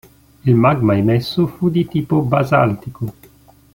Il magma emesso fu di tipo basaltico.